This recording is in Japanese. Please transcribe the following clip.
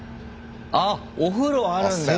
あっお風呂あるんだ！